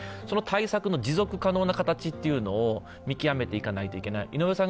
その対策の持続可能な形を見極めていかないといけない。